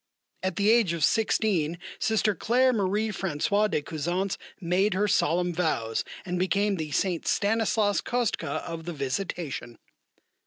At the age of sixteen, Sister Claire Marie Françoise de Cusance made her solemn vows and became the Saint Stanislaus Kostka of the Visitation.